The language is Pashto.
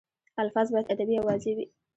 الفاظ باید ادبي او واضح وي.